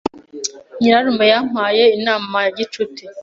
Nyirarume yampaye inama ya gicuti.